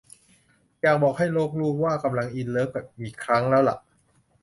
อยากบอกให้โลกรู้ว่ากำลังอินเลิฟอีกครั้งแล้วล่ะ